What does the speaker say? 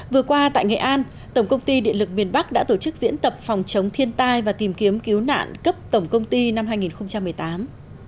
vừa qua tại nghệ an tổng công ty điện lực miền bắc đã tổ chức diễn tập phòng chống thiên tai và tìm kiếm cứu nạn cấp tổng công ty năm hai nghìn một mươi tám